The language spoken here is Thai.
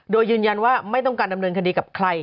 โดยยืนยันว่าไม่ต้องการดำเนินคดีกับใคร